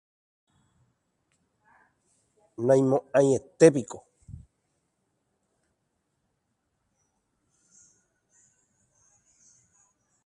naimo'aietépiko.